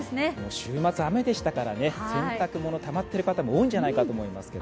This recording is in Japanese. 週末、雨でしたからね、洗濯物、たまっている方も多いんじゃないかと思いますけど。